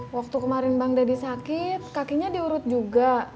waktu kemarin bang deddy sakit kakinya diurut juga